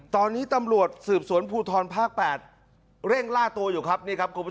ตอนนี้ตำรวจสืบสวนภูทรภาค๘เร่งล่าตัวอยู่ครับ